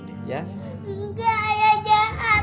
enggak ayah jahat